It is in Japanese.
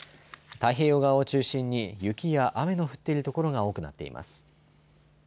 太平洋側を中心に雪や雨の降っている所が多くなっています。